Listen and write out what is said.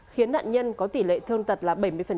khiến nạn nhân có tỷ lệ thương tật là bảy mươi